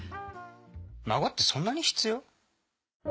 孫ってそんなに必要？